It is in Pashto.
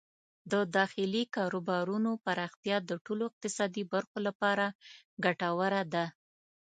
د داخلي کاروبارونو پراختیا د ټولو اقتصادي برخو لپاره ګټوره ده.